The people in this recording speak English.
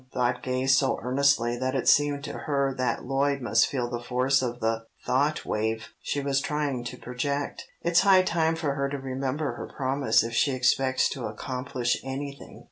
thought Gay so earnestly that it seemed to her that Lloyd must feel the force of the "thought wave" she was trying to project. "It's high time for her to remember her promise if she expects to accomplish anything."